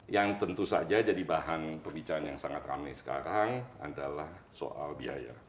yang tentu saja jadi bahan pembicaraan yang sangat rame sekarang adalah soal biaya